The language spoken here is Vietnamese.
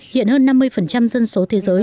hiện hơn năm mươi dân số thế giới